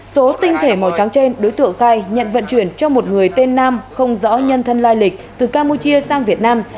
số tinh thể màu trắng trên đối tượng khai nhận vận chuyển cho một người tên nam không rõ nhân thân lai lịch từ campuchia sang việt nam